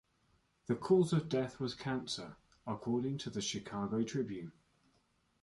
The cause of death was cancer, according to the "Chicago Tribune".